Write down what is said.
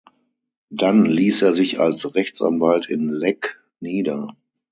Dann ließ er sich als Rechtsanwalt in Leck nieder.